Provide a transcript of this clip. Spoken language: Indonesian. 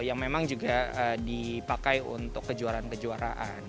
yang memang juga dipakai untuk kejuaraan kejuaraan